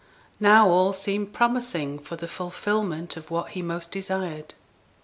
Now all seemed promising for the fulfilment of what he most desired.